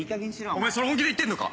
お前それ本気で言ってんのか？